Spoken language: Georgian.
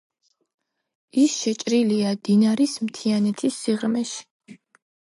ის შეჭრილია დინარის მთიანეთის სიღრმეში.